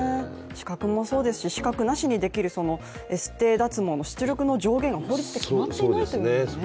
資格もそうですし、資格なしにできるエステ脱毛の出力上限が法律で決まっていないということですよね。